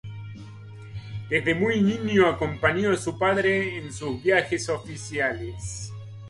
Desde muy niño, acompañó a su padre en sus viajes oficiales.